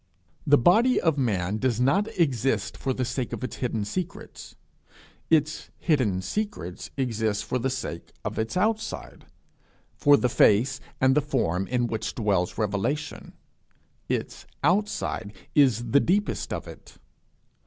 The body of man does not exist for the sake of its hidden secrets; its hidden secrets exist for the sake of its outside for the face and the form in which dwells revelation: its outside is the deepest of it.